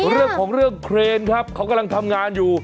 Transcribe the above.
เรื่องของเรื่องเครนครับเขากำลังทำงานอยู่